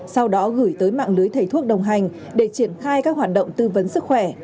sau đó gửi tới mạng lưới thầy thuốc đồng hành để triển khai các hoạt động tư vấn sức khỏe